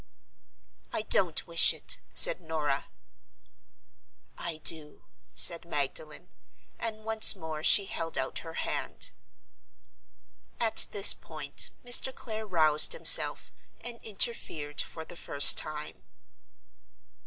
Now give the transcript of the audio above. "I don't wish it," said Norah. "I do," said Magdalen; and once more she held out her hand. At this point Mr. Clare roused himself and interfered for the first time.